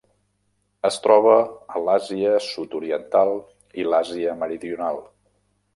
Es troba a l'Àsia Sud-oriental i l'Àsia meridional.